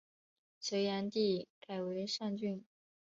隋炀帝改为上郡。